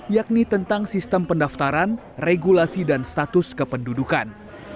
yakni tentang sistem pendaftaran regulasi dan status kependudukan